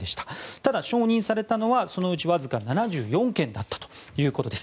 ただ、承認されたのはそのうちわずか７４件だったということです。